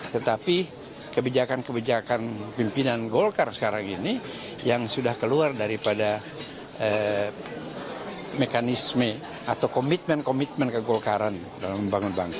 tetapi kebijakan kebijakan pimpinan golkar sekarang ini yang sudah keluar daripada mekanisme atau komitmen komitmen ke golkaran dalam membangun bangsa